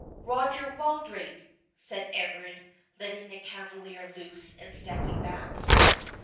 "Roger Wildrake!" said Everard, letting the cavalier loose, and stepping back.